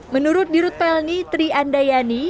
menurut dirut pelni triandayani